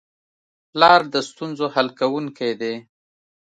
پلار د ستونزو حل کوونکی دی.